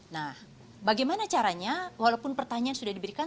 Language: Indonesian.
nah bagaimana caranya walaupun pertanyaan sudah diberikan